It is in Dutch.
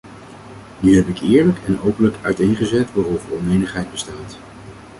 Nu heb ik eerlijk en openlijk uiteengezet waarover onenigheid bestaat.